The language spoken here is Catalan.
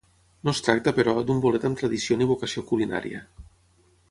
No es tracta, però, d'un bolet amb tradició ni vocació culinària.